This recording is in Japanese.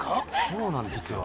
そうなんですよ。